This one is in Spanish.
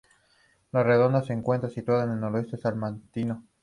La Redonda se encuentra situada en el noroeste salmantino.